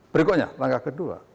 berikutnya langkah kedua